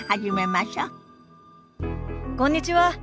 こんにちは。